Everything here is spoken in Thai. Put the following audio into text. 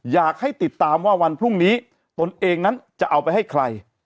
อยากให้ติดตามว่าวันพรุ่งนี้ตนเองนั้นจะเอาไปให้ใคร